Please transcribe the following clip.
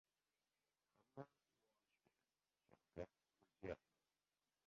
«Hamma uyg‘onishi kerak» – Shavkat Mirziyoyev